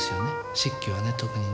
漆器はね特にね。